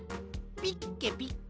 「ピッケピッケ」？